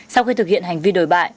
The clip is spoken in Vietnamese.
sau khi thực hiện hành vi đổi bại